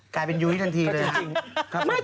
กลายเป็นยุ้ยทันทีเลยครับครับผมใช่จริง